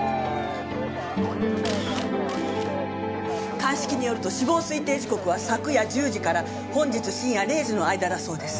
鑑識によると死亡推定時刻は昨夜１０時から本日深夜０時の間だそうです。